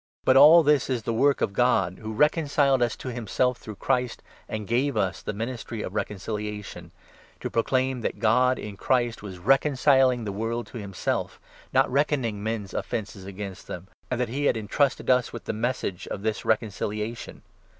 But all this is the work of God, who recon 18 ciled us to himself through Christ, and gave us the Ministry of Reconciliation — to proclaim that God, in Christ, was recon 19 ciling the world to himself, not reckoning men's .offences against them, and that he had entrusted us with the Message of this reconciliation.